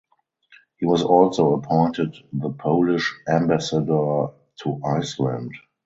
He was also appointed the Polish ambassador to Iceland.